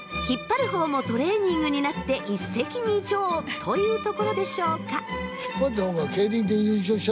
引っ張る方もトレーニングになって一石二鳥！というところでしょうか。